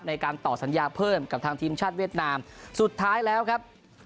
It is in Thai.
ในการต่อสัญญาเพิ่มกับทางทีมชาติเวียดนามสุดท้ายแล้วครับ